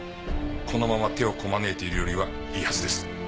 このまま手をこまねいているよりはいいはずです。